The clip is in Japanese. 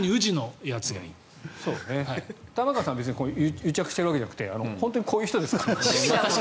玉川さんは癒着しているわけじゃなくて本当にこういう人ですから。